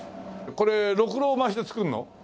これろくろを回して作るの？